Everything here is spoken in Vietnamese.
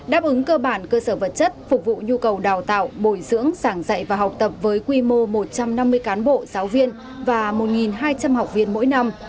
đáp ứng cơ bản cơ sở vật chất phục vụ nhu cầu đào tạo bồi dưỡng sảng dạy và học tập với quy mô một trăm năm mươi cán bộ giáo viên và một hai trăm linh học viên mỗi năm